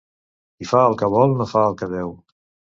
Qui fa el que vol no fa el que deu.